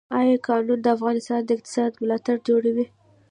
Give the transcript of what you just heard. آیا کانونه د افغانستان د اقتصاد ملا تیر جوړوي؟